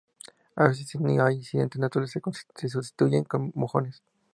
A veces, si no hay accidentes naturales, se sustituyen por mojones.